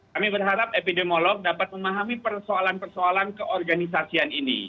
kami berharap epidemiolog dapat memahami persoalan persoalan keorganisasian ini